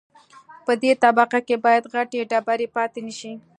په دې طبقه کې باید غټې ډبرې پاتې نشي